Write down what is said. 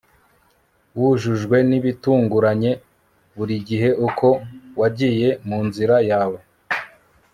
wujujwe nibitunguranye burigihe uko wagiye munzira yawe